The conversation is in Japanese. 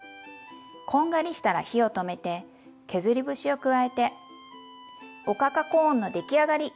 こんがりしたら火を止めて削り節を加えておかかコーンの出来上がり！